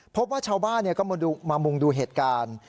พบว่าชาวบ้านก็มามุงดูเหตุการณ์